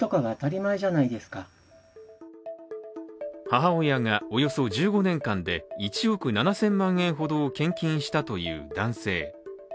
母親がおよそ１５年間で１億７０００万円ほどを献金したという男性。